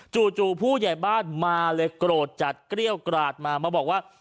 จู่ผู้ใหญ่บ้านมาเลยโกรธจัดเกรี้ยวกราดมามาบอกว่า